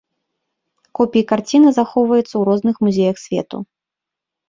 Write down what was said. Копіі карціны захоўваюцца ў розных музеях свету.